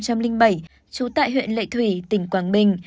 trú tại huyện lệ thủy tỉnh quảng bình